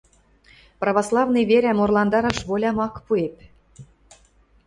Православный верӓм орландараш волям ак пуэп...